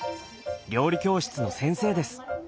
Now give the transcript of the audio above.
料理教室の先生です。